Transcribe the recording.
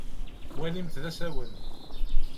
Walimt d asawen.